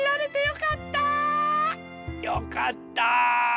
よかった！